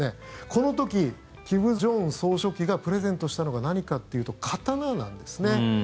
この時、金正恩総書記がプレゼントしたのが何かというと刀なんですね。